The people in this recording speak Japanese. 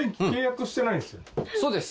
そうです。